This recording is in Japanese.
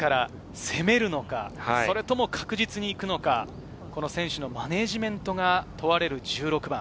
攻めるのか、確実に行くのか、選手のマネジメントが問われる１６番。